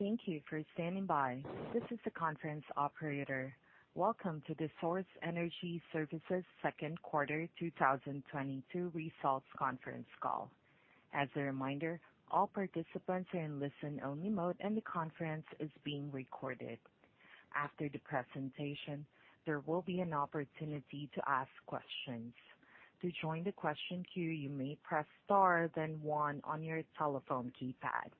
Thank you for standing by. This is the conference operator. Welcome to the Source Energy Services Second Quarter 2022 Results Conference Call. As a reminder, all participants are in listen-only mode, and the conference is being recorded. After the presentation, there will be an opportunity to ask questions. To join the question queue, you may press star then one on your telephone keypad.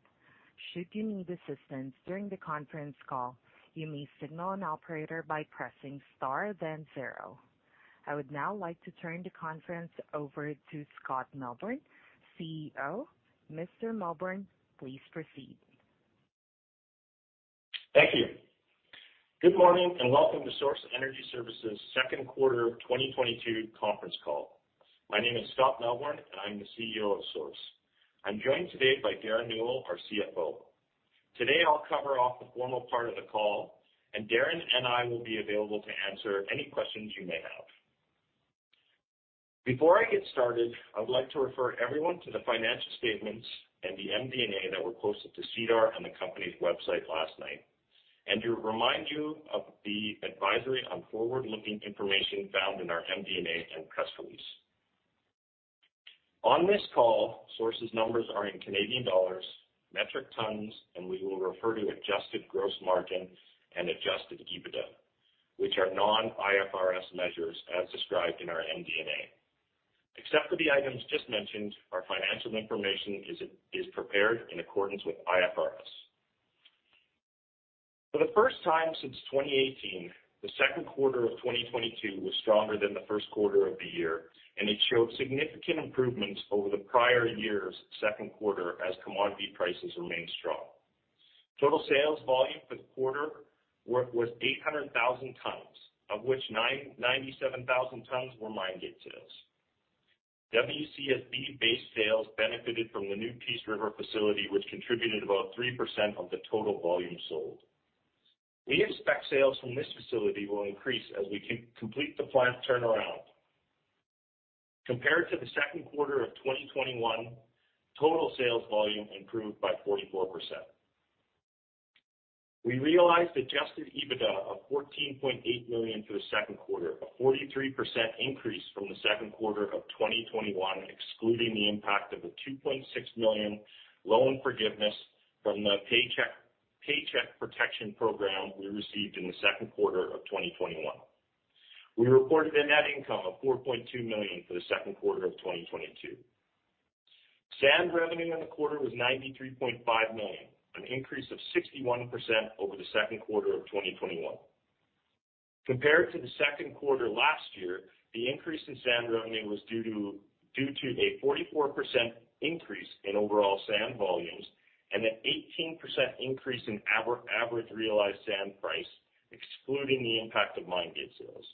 Should you need assistance during the conference call, you may signal an operator by pressing star then zero. I would now like to turn the conference over to Scott Melbourn, CEO. Mr. Melbourn, please proceed. Thank you. Good morning and welcome to Source Energy Services Second Quarter 2022 Conference Call. My name is Scott Melbourn, and I'm the CEO of Source. I'm joined today by Derren Newell, our CFO. Today, I'll cover off the formal part of the call, and Derren and I will be available to answer any questions you may have. Before I get started, I would like to refer everyone to the financial statements and the MD&A that were posted to SEDAR on the company's website last night, and to remind you of the advisory on forward-looking information found in our MD&A and press release. On this call, Source's numbers are in CAD, metric tons, and we will refer to adjusted gross margin and adjusted EBITDA, which are non-IFRS measures as described in our MD&A. Except for the items just mentioned, our financial information is prepared in accordance with IFRS. For the first time since 2018, the second quarter of 2022 was stronger than the first quarter of the year, and it showed significant improvements over the prior year's second quarter as commodity prices remained strong. Total sales volume for the quarter was 800,000 tons, of which 997,000 tons were mine gate sales. WCSB basin sales benefited from the new Peace River facility, which contributed about 3% of the total volume sold. We expect sales from this facility will increase as we complete the plant turnaround. Compared to the second quarter of 2021, total sales volume improved by 44%. We realized adjusted EBITDA of CAD 14.8 million for the second quarter, a 43% increase from the second quarter of 2021, excluding the impact of a 2.6 million loan forgiveness from the Paycheck Protection Program we received in the second quarter of 2021. We reported a net income of 4.2 million for the second quarter of 2022. Sand revenue in the quarter was 93.5 million, an increase of 61% over the second quarter of 2021. Compared to the second quarter last year, the increase in sand revenue was due to a 44% increase in overall sand volumes and an 18% increase in average realized sand price, excluding the impact of mine gate sales.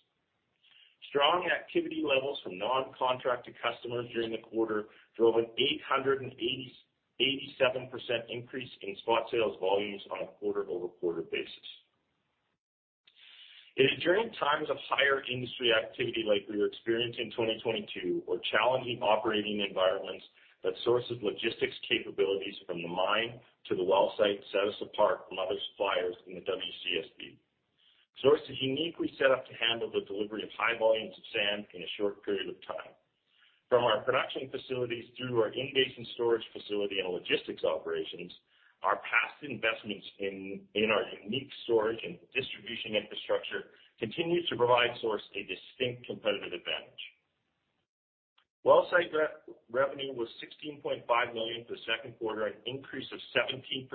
Strong activity levels from non-contracted customers during the quarter drove an 887% increase in spot sales volumes on a quarter-over-quarter basis. It is during times of higher industry activity like we were experiencing in 2022 or challenging operating environments that Source's logistics capabilities from the mine to the well site set us apart from other suppliers in the WCSB. Source is uniquely set up to handle the delivery of high volumes of sand in a short period of time. From our production facilities through our in-basin storage facility and logistics operations, our past investments in our unique storage and distribution infrastructure continues to provide Source a distinct competitive advantage. Well site revenue was 16.5 million for the second quarter, an increase of 17%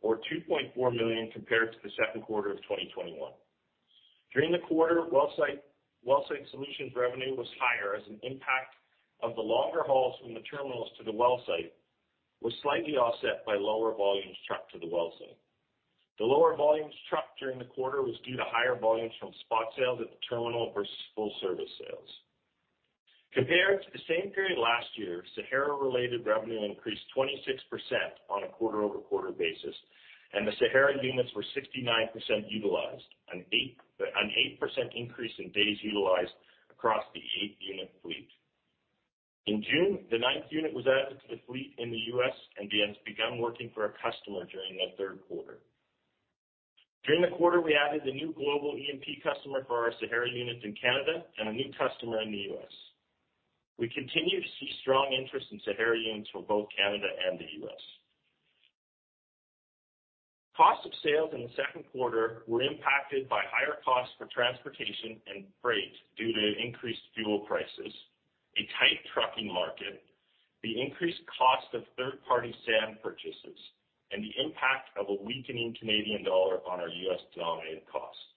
or 2.4 million compared to the second quarter of 2021. During the quarter, well site solutions revenue was higher as an impact of the longer hauls from the terminals to the well site was slightly offset by lower volumes trucked to the well site. The lower volumes trucked during the quarter was due to higher volumes from spot sales at the terminal versus full-service sales. Compared to the same period last year, Sahara-related revenue increased 26% on a quarter-over-quarter basis, and the Sahara units were 69% utilized, an 8% increase in days utilized across the 8-unit fleet. In June, the ninth unit was added to the fleet in the U.S. and began working for a customer during the third quarter. During the quarter, we added a new global E&P customer for our Sahara units in Canada and a new customer in the U.S.. We continue to see strong interest in Sahara units for both Canada and the U.S. Cost of sales in the second quarter were impacted by higher costs for transportation and freight due to increased fuel prices, a tight trucking market, the increased cost of third-party sand purchases, and the impact of a weakening Canadian dollar on our U.S.-denominated costs.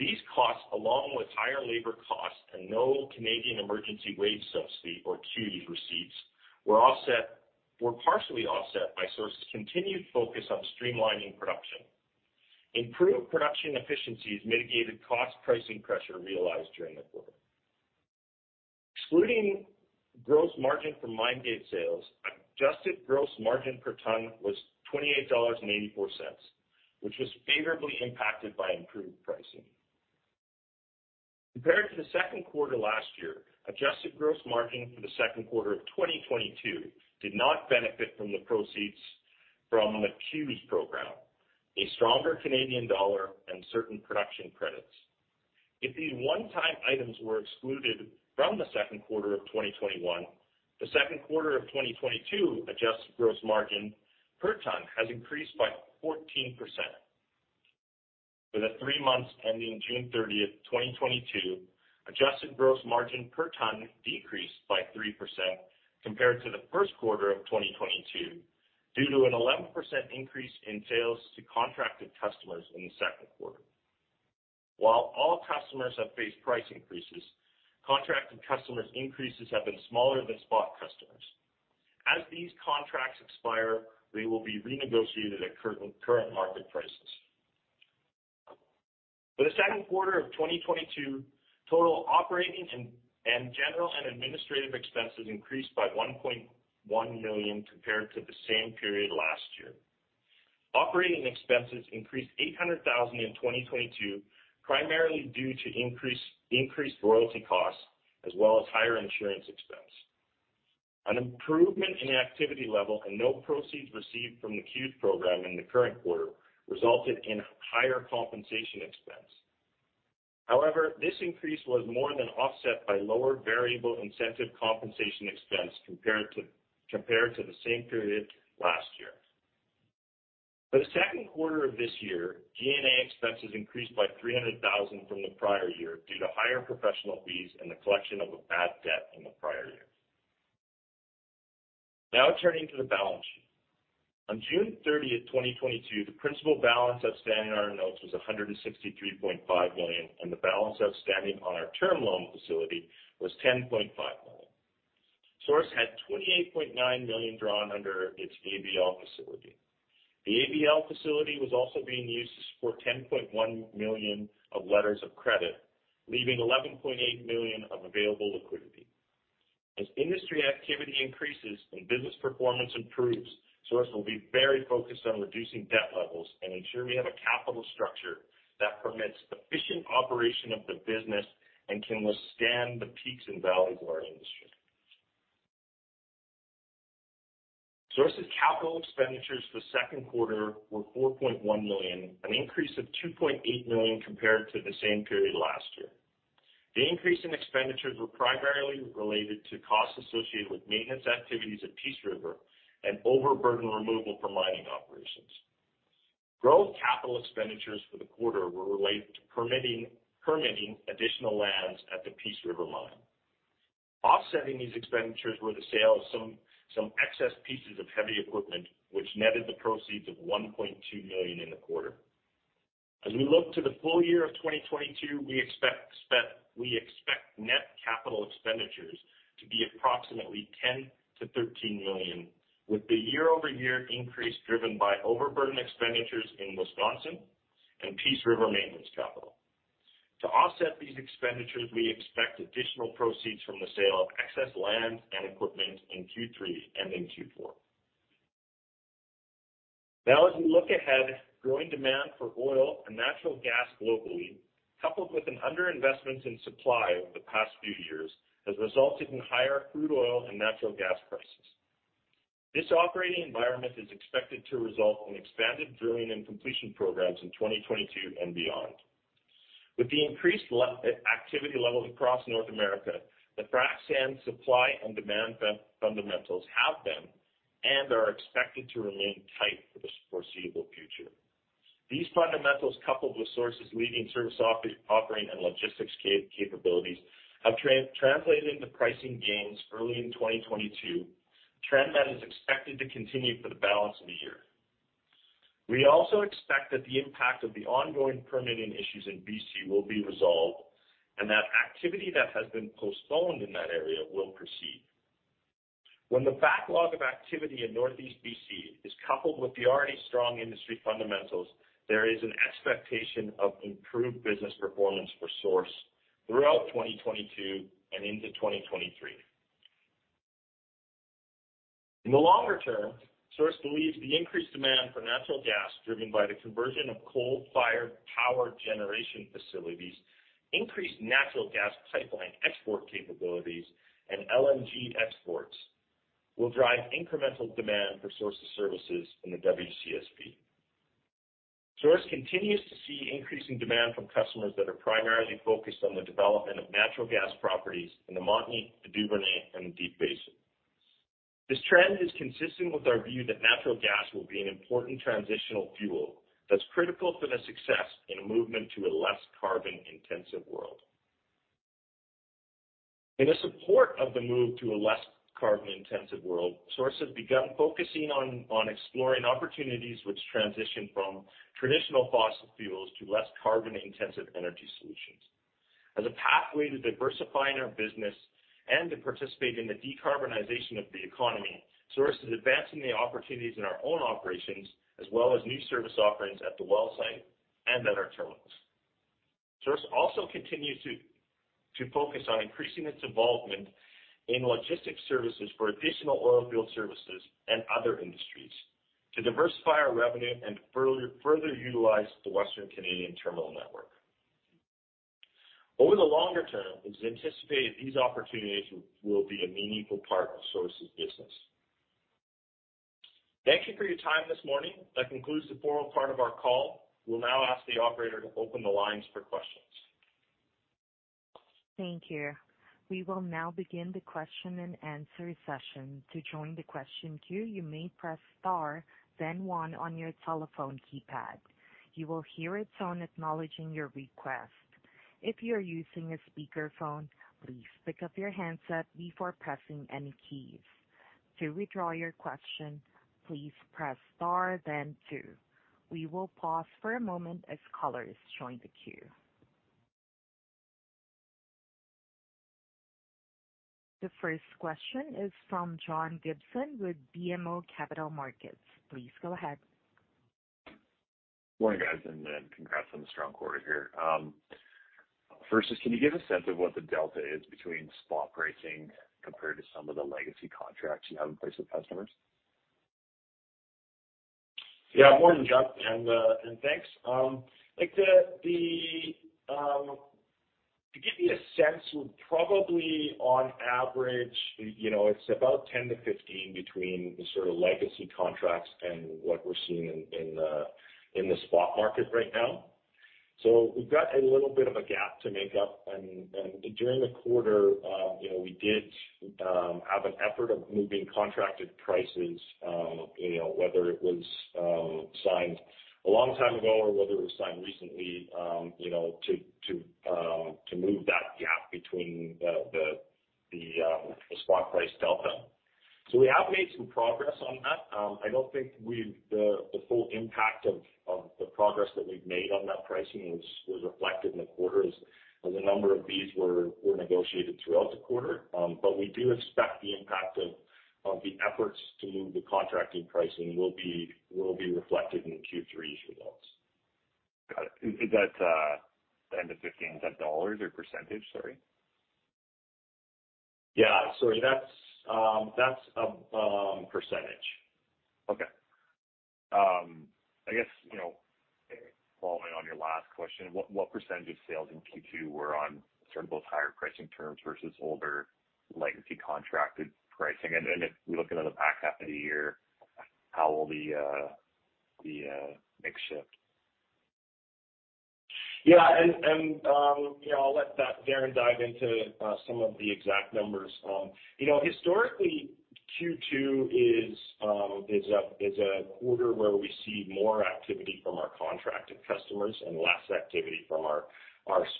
These costs, along with higher labor costs and no Canada Emergency Wage Subsidy or CEWS receipts, were partially offset by Source's continued focus on streamlining production. Improved production efficiencies mitigated cost pricing pressure realized during the quarter. Excluding gross margin from mine gate sales, adjusted gross margin per ton was 28.84 dollars, which was favorably impacted by improved pricing. Compared to the second quarter last year, adjusted gross margin for the second quarter of 2022 did not benefit from the proceeds from the CEWS program, a stronger Canadian dollar and certain production credits. If these one-time items were excluded from the second quarter of 2021, the second quarter of 2022 adjusted gross margin per ton has increased by 14%. For the three months ending June 30, 2022, adjusted gross margin per ton decreased by 3% compared to the first quarter of 2022 due to an 11% increase in sales to contracted customers in the second quarter. While all customers have faced price increases, contracted customers' increases have been smaller than spot customers. As these contracts expire, they will be renegotiated at current market prices. For the second quarter of 2022, total operating and general and administrative expenses increased by 1.1 million compared to the same period last year. Operating expenses increased 800,000 in 2022, primarily due to increased royalty costs as well as higher insurance expense. An improvement in activity level and no proceeds received from the CEWS program in the current quarter resulted in higher compensation expense. However, this increase was more than offset by lower variable incentive compensation expense compared to the same period last year. For the second quarter of this year, G&A expenses increased by 300,000 from the prior year due to higher professional fees and the collection of a bad debt in the prior year. Now turning to the balance sheet. On June 30, 2022, the principal balance outstanding on our notes was 163.5 million, and the balance outstanding on our term loan facility was 10.5 million. Source had 28.9 million drawn under its ABL facility. The ABL facility was also being used to support 10.1 million of letters of credit, leaving 11.8 million of available liquidity. As industry activity increases and business performance improves, Source will be very focused on reducing debt levels and ensure we have a capital structure that permits efficient operation of the business and can withstand the peaks and valleys of our industry. Source's capital expenditures for the second quarter were 4.1 million, an increase of 2.8 million compared to the same period last year. The increase in expenditures were primarily related to costs associated with maintenance activities at Peace River and overburden removal from mining operations. Growth capital expenditures for the quarter were related to permitting additional lands at the Peace River mine. Offsetting these expenditures were the sale of some excess pieces of heavy equipment which netted the proceeds of 1.2 million in the quarter. As we look to the full year of 2022, we expect net capital expenditures to be approximately CAD 10 million to CAD 13 million, with the year-over-year increase driven by overburden expenditures in Wisconsin and Peace River maintenance capital. To offset these expenditures, we expect additional proceeds from the sale of excess land and equipment in Q3 and in Q4. Now, as we look ahead, growing demand for oil and natural gas globally, coupled with an underinvestment in supply over the past few years, has resulted in higher crude oil and natural gas prices. This operating environment is expected to result in expanded drilling and completion programs in 2022 and beyond. With the increased activity levels across North America, the frac sand supply and demand fundamentals have been and are expected to remain tight for the foreseeable future. These fundamentals, coupled with Source's leading service offering and logistics capabilities, have translated into pricing gains early in 2022, a trend that is expected to continue for the balance of the year. We also expect that the impact of the ongoing permitting issues in BC will be resolved, and that activity that has been postponed in that area will proceed. When the backlog of activity in Northeast BC is coupled with the already strong industry fundamentals, there is an expectation of improved business performance for Source throughout 2022 and into 2023. In the longer term, Source believes the increased demand for natural gas driven by the conversion of coal-fired power generation facilities, increased natural gas pipeline export capabilities, and LNG exports will drive incremental demand for Source's services in the WCSB. Source continues to see increasing demand from customers that are primarily focused on the development of natural gas properties in the Montney, the Duvernay, and the Deep Basin. This trend is consistent with our view that natural gas will be an important transitional fuel that's critical for the success in a movement to a less carbon-intensive world. In support of the move to a less carbon-intensive world, Source has begun focusing on exploring opportunities which transition from traditional fossil fuels to less carbon-intensive energy solutions. As a pathway to diversifying our business and to participate in the decarbonization of the economy, Source is advancing the opportunities in our own operations as well as new service offerings at the well site and at our terminals. Source also continues to focus on increasing its involvement in logistics services for additional oil field services and other industries. To diversify our revenue and further utilize the Western Canadian terminal network. Over the longer term, it is anticipated these opportunities will be a meaningful part of Source's business. Thank you for your time this morning. That concludes the formal part of our call. We'll now ask the operator to open the lines for questions. Thank you. We will now begin the question and answer session. To join the question queue, you may press star then one on your telephone keypad. You will hear a tone acknowledging your request. If you are using a speakerphone, please pick up your handset before pressing any keys. To withdraw your question, please press star then two. We will pause for a moment as callers join the queue. The first question is from John Gibson with BMO Capital Markets. Please go ahead. Good morning, guys, and then congrats on the strong quarter here. First is can you give a sense of what the delta is between spot pricing compared to some of the legacy contracts you have in place with customers? Morning, John, and thanks. To give you a sense, probably on average, you know, it's about 10%-15% between the sort of legacy contracts and what we're seeing in the spot market right now. We've got a little bit of a gap to make up. During the quarter we did have an effort of moving contracted prices whether it was signed a long time ago or whether it was signed recently, to move that gap between the spot price delta. We have made some progress on that. I don't think the full impact of the progress that we've made on that pricing was reflected in the quarter as a number of these were negotiated throughout the quarter. We do expect the impact of the efforts to move the contracting pricing will be reflected in Q3's results. Got it. Is that, 10%-15%, is that dollars or percentage? Sorry. Sorry. That's a percentage. Following on your last question, what percentage of sales in Q2 were on those higher pricing terms versus older legacy contracted pricing? If we're looking at the back half of the year, how will the mix shift? I'll let Derren dive into some of the exact numbers. Historically, Q2 is a quarter where we see more activity from our contracted customers and less activity from our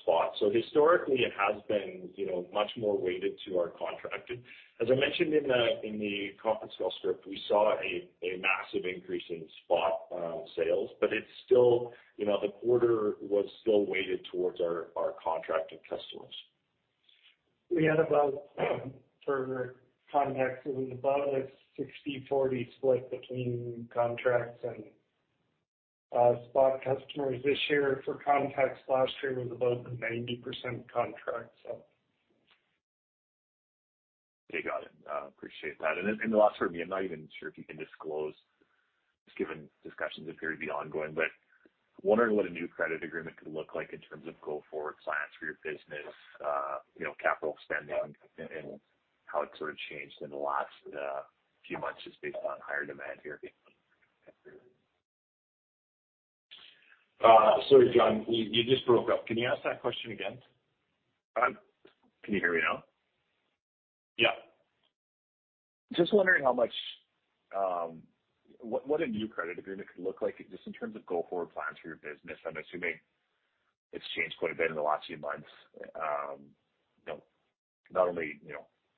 spot. Historically, it has been, you know, much more weighted to our contracted. As I mentioned in the conference call script, we saw a massive increase in spot sales, but it's still the quarter was still weighted towards our contracted customers. We had about four contracts. It was about a 60/40 split between contracts and spot customers this year for contracts. Last year it was about 90% contracts. Okay. Got it. Appreciate that. The last for me, I'm not even sure if you can disclose, just given discussions appear to be ongoing. Wondering what a new credit agreement could look like in terms of go forward plans for your business, you know, capital spending and how it sort of changed in the last few months just based on higher demand here. Sorry, John, you just broke up. Can you ask that question again? Can you hear me now? Yeah. Just wondering how much what a new credit agreement could look like just in terms of go-forward plans for your business. I'm assuming it's changed quite a bit in the last few months, you know, not only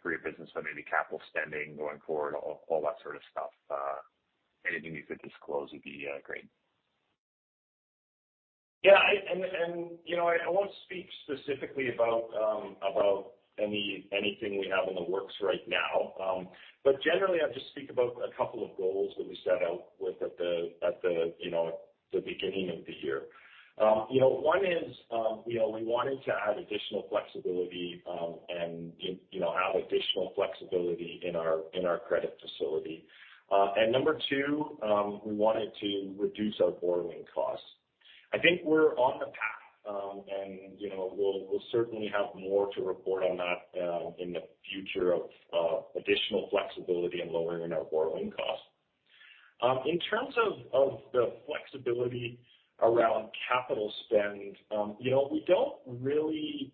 for your business, but maybe capital spending going forward, all that sort of stuff. Anything you could disclose would be great. Yeah, and you know, I won't speak specifically about anything we have in the works right now. Generally, I'll just speak about a couple of goals that we set out with at the beginning of the year. One is we wanted to add additional flexibility and have additional flexibility in our credit facility. Number two, we wanted to reduce our borrowing costs. I think we're on the path, and you know we'll certainly have more to report on that in the future on additional flexibility and lowering our borrowing costs. In terms of the flexibility around capital spend, you know we don't really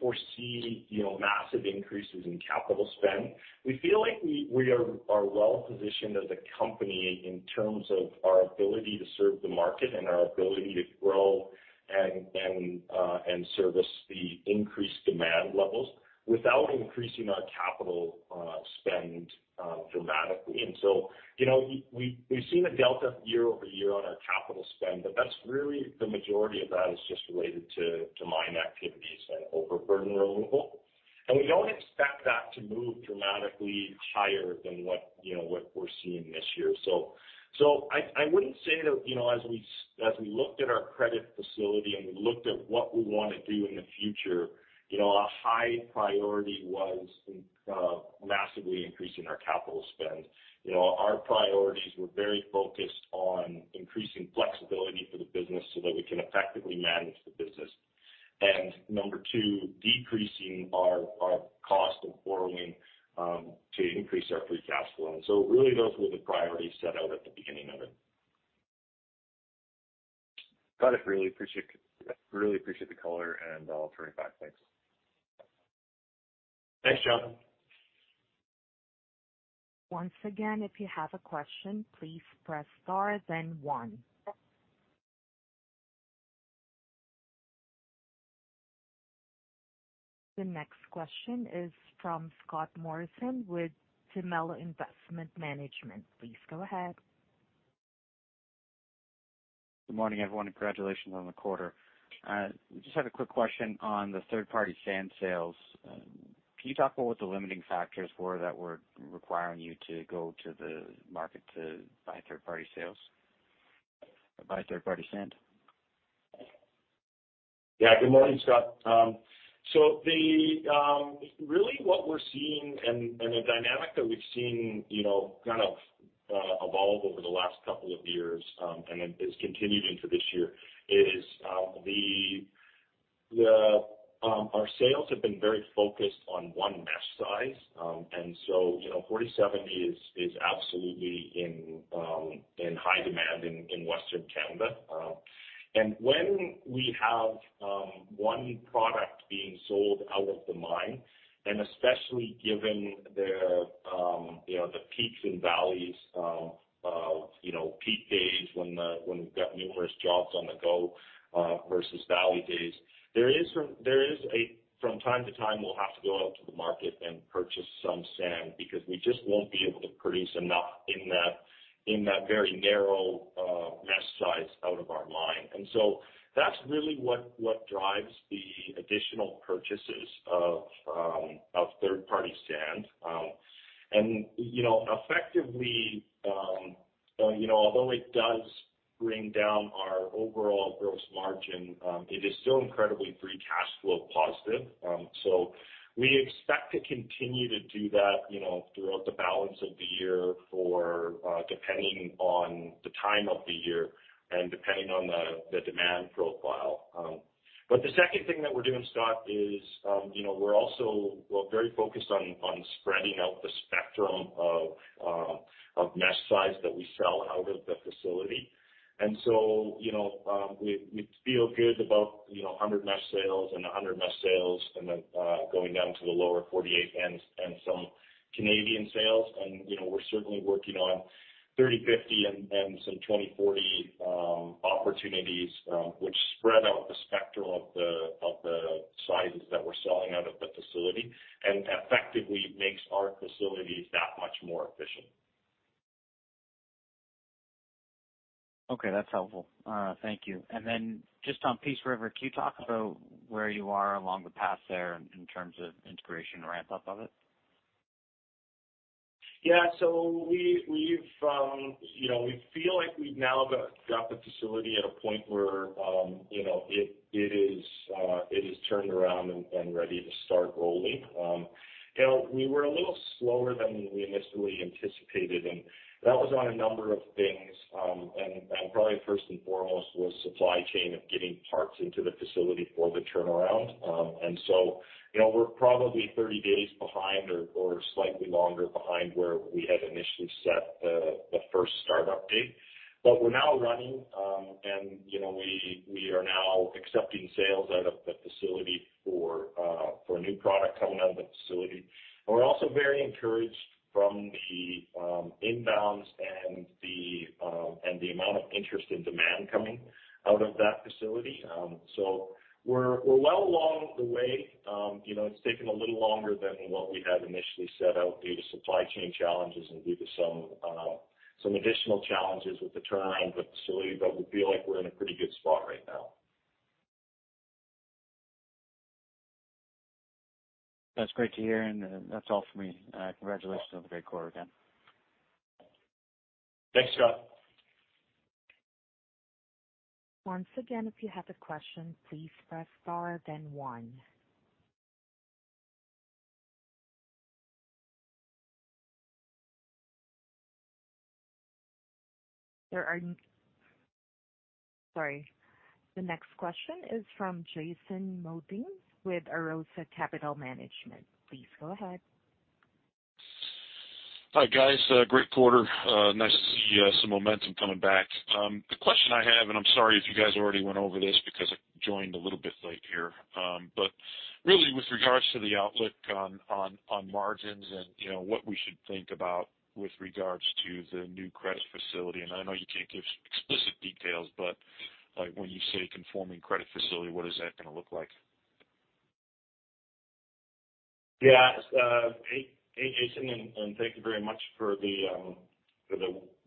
foresee you know massive increases in capital spend. We feel like we are well-positioned as a company in terms of our ability to serve the market and our ability to grow and service the increased demand levels without increasing our capital spend dramatically. We've seen a delta year-over-year on our capital spend, but that's really the majority of that is just related to mine activities and overburden removal. We don't expect that to move dramatically higher than what you know we're seeing this year. I wouldn't say that, you know, as we looked at our credit facility and we looked at what we wanna do in the future, you know, a high priority was massively increasing our capital spend. Our priorities were very focused on increasing flexibility for the business so that we can effectively manage the business. Number two, decreasing our cost of borrowing to increase our free cash flow. Really those were the priorities set out at the beginning of it. Got it. Really appreciate the color, and I'll turn it back. Thanks. Thanks, Jonathan. Once again, if you have a question, please press star then one. The next question is from Scott Morrison with Timelo Investment Management. Please go ahead. Good morning, everyone. Congratulations on the quarter. Just had a quick question on the third-party sand sales. Can you talk about what the limiting factors were that were requiring you to go to the market to buy third-party sand? Good morning, Scott. Really what we're seeing and the dynamic that we've seen kind of, evolve over the last couple of years and then is continued into this year is our sales have been very focused on one mesh size. 40/70 is absolutely in high demand in Western Canada. When we have one product being sold out of the mine, and especially given the you know, the peaks and valleys of peak days when we've got numerous jobs on the go versus valley days, there is a. From time to time, we'll have to go out to the market and purchase some sand because we just won't be able to produce enough in that very narrow mesh size out of our mine. That's really what drives the additional purchases of third-party sand. Effectively, although it does bring down our overall gross margin, it is still incredibly free cash flow positive. We expect to continue to do that throughout the balance of the year for depending on the time of the year and depending on the demand profile. The second thing that we're doing, Scott, is we're very focused on spreading out the spectrum of mesh size that we sell out of the facility. We feel good about 100 mesh sales and then going down to the lower 48 and some Canadian sales. You know, we're certainly working on 30/50 and some 20/40 opportunities, which spread out the spectrum of the sizes that we're selling out of the facility and effectively makes our facilities that much more efficient. Okay, that's helpful. Thank you. Just on Peace River, can you talk about where you are along the path there in terms of integration ramp-up of it? We feel like we've now got the facility at a point where, you know, it is turned around and ready to start rolling. We were a little slower than we initially anticipated, and that was on a number of things. And probably first and foremost was supply chain of getting parts into the facility for the turnaround. We're probably 30 days behind or slightly longer behind where we had initially set the first start-up date. We're now running, and we are now accepting sales out of the facility for new product coming out of the facility. We're also very encouraged from the inbounds and the amount of interest and demand coming out of that facility. We're well along the way. You know, it's taken a little longer than what we had initially set out due to supply chain challenges and due to some additional challenges with the turnaround of the facility, but we feel like we're in a pretty good spot right now. That's great to hear, and that's all for me. Congratulations on the great quarter again. Thanks, Scott. Once again, if you have a question, please press star then one. Sorry. The next question is from Jason Modine with Arosa Capital Management. Please go ahead. Hi, guys. Great quarter. Nice to see some momentum coming back. The question I have. I'm sorry if you guys already went over this because I joined a little bit late here. Really with regards to the outlook on margins and, you know, what we should think about with regards to the new credit facility. I know you can't give explicit details, but like when you say conforming credit facility, what is that gonna look like? Hey, Jason, and thank you very much for the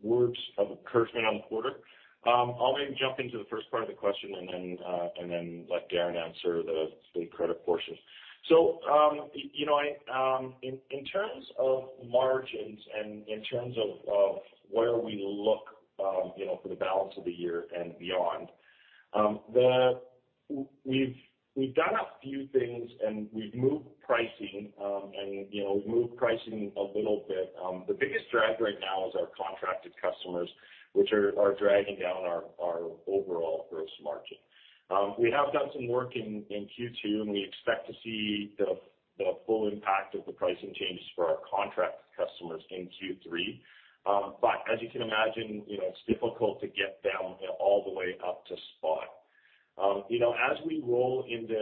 words of encouragement on the quarter. I'll maybe jump into the first part of the question and then let Derren answer the credit portion. You know, in terms of margins and where we look, you know, for the balance of the year and beyond, we've done a few things and we've moved pricing, and you know, we've moved pricing a little bit. The biggest drag right now is our contracted customers, which are dragging down our overall gross margin. We have done some work in Q2, and we expect to see the full impact of the pricing changes for our contract customers in Q3. As you can imagine it's difficult to get them all the way up to spot. As we roll into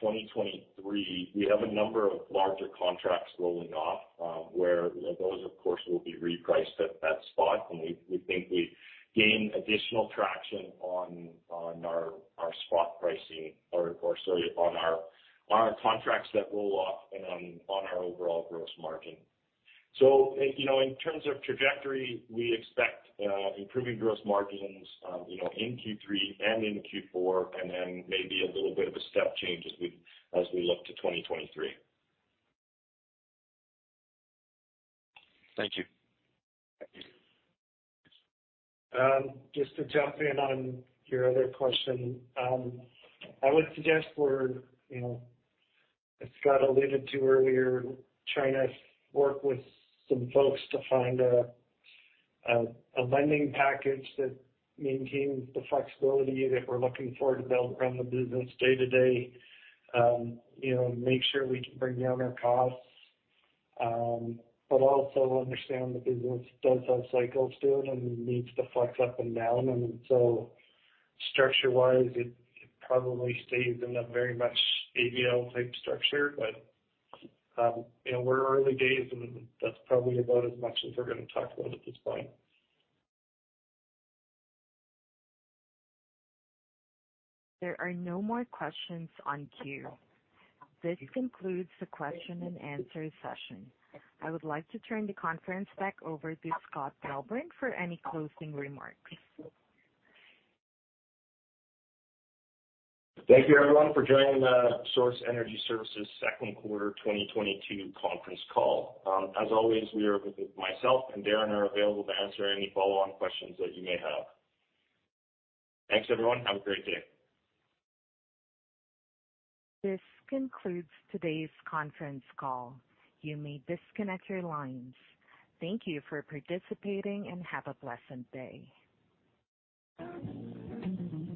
2023, we have a number of larger contracts rolling off, where those of course will be repriced at spot. We think we gain additional traction on our spot pricing or of course, on our contracts that roll off and on our overall gross margin. In terms of trajectory, we expect improving gross margins in Q3 and in Q4, and then maybe a little bit of a step change as we look to 2023. Thank you. Thank you. Just to jump in on your other question. I would suggest we're as Scott alluded to earlier, trying to work with some folks to find a lending package that maintains the flexibility that we're looking for to build, run the business day to day. Make sure we can bring down our costs. But also understand the business does have cycles to it and needs to flex up and down. Structure-wise, it probably stays in a very much ABL type structure. You know, we're early days and that's probably about as much as we're gonna talk about at this point. There are no more questions on queue. This concludes the question and answer session. I would like to turn the conference back over to Scott Melbourn for any closing remarks. Thank you everyone for joining the Source Energy Services Second Quarter 2022 Conference Call. As always, myself and Derren are available to answer any follow-on questions that you may have. Thanks, everyone. Have a great day. This concludes today's conference call. You may disconnect your lines. Thank you for participating, and have a blessed day.